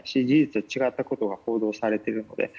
事実と違ったことが報道されているので。